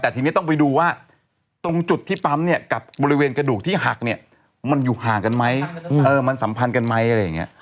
แต่ทีนี้ต้องไปดูว่าตรงจุดที่ปั๊มเนี่ยกับบริเวณกระดูกที่หักเนี่ยมันอยู่ห่างกันไหมมันสัมพันธ์กันไหมอะไรอย่างนี้